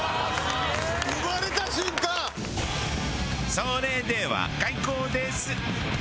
それでは開講です！